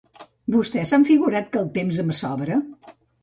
Vostès s'han figurat que el temps em sobra?